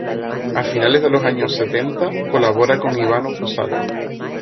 A finales de los años setenta, colabora con Ivano Fossati.